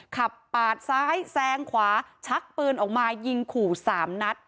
ขับปาดซ้ายแซงขวาชักปืนออกมายิงขู่๓นัด